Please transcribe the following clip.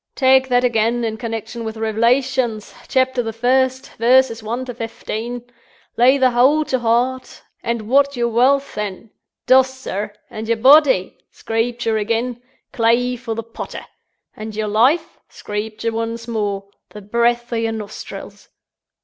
Tak' that again, in connection with Rev'lations, Chapter the First, verses One to Fefteen. Lay the whole to heart; and what's your Walth, then? Dross, sirs! And your body? (Screepture again.) Clay for the potter! And your life? (Screepture once more.) The Breeth o' your Nostrils!"